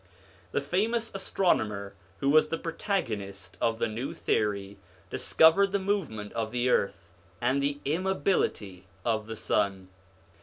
The famous astronomer 1 who was the pro tagonist of the new theory, discovered the movement of the earth and the immobility of the sun.